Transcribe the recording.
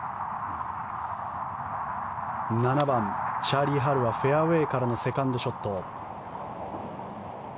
７番、チャーリー・ハルはフェアウェーからのセカンドショット。